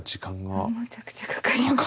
むちゃくちゃかかりました。